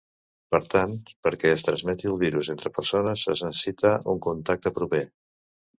Per tant, perquè es transmeti el virus entre persones es necessita un contacte proper.